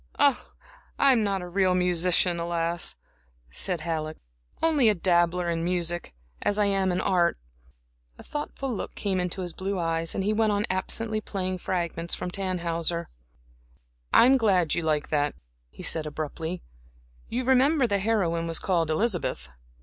"I am not a real musician, alas!" said Halleck, "only a dabbler in music, as I am in art." A thoughtful look came into his blue eyes, and he went on absently playing fragments from Tannhäuser. "I am glad you like that," he said, abruptly. "You remember the heroine was called Elizabeth."